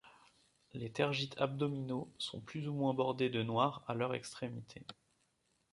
Les tergites abdominaux sont plus ou moins bordés de noir à leur extrémité.